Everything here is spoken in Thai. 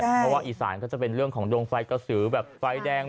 เพราะว่าอีสานก็จะเป็นเรื่องของดวงไฟกระสือแบบไฟแดง